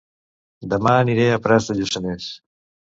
Dema aniré a Prats de Lluçanès